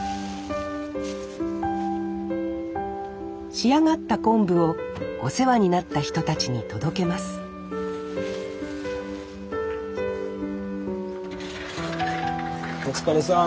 仕上がった昆布をお世話になった人たちに届けますお疲れさん。